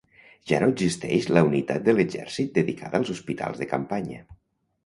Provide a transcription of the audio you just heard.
Ja no existeix la unitat de l'exèrcit dedicada als hospitals de campanya